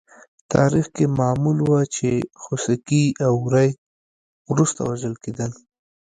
تاریخ کې معمول وه چې خوسکي او وری وروسته وژل کېدل.